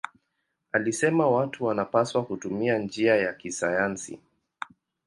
Alisema watu wanapaswa kutumia njia ya kisayansi.